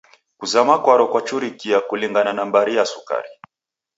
Kuzama kwaro kwachurikia kulingana na mbari ya sukari.